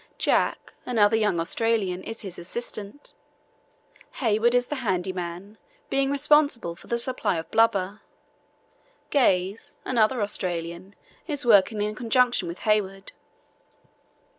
Jack, another young Australian, is his assistant. Hayward is the handy man, being responsible for the supply of blubber. Gaze, another Australian, is working in conjunction with Hayward.